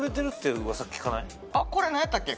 これ何やったっけ？